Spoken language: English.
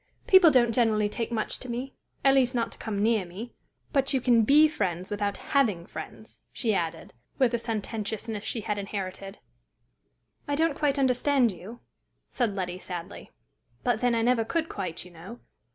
"People don't generally take much to me at least, not to come near me. But you can be friends without having friends," she added, with a sententiousness she had inherited. "I don't quite understand you," said Letty, sadly; "but, then, I never could quite, you know.